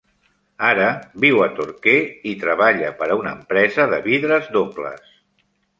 Ara viu a Torquay i treballa per a una empresa de vidres dobles.